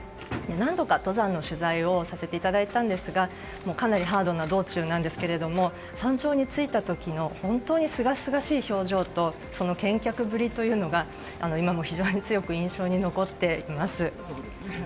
何度か登山の取材をさせていただいたんですがかなりハードな道中ですが山頂に着いた時の本当にすがすがしい表情とその健脚ぶりというのが今も非常に強く印象に残っています。